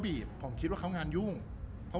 รูปนั้นผมก็เป็นคนถ่ายเองเคลียร์กับเรา